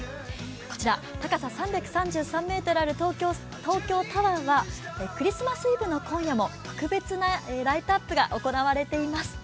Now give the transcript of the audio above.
こちら、高さ３３３ｍある東京タワーはクリスマスイブの今夜も特別なライトアップが行われています。